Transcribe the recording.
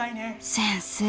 先生